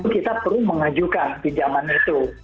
kita perlu mengajukan di zaman itu